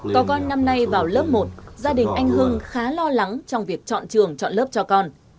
có con năm nay vào lớp một gia đình anh hưng khá lo lắng trong việc chọn trường chọn lớp cho con